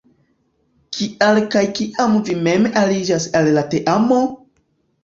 Kial kaj kiam vi mem aliĝis al la teamo?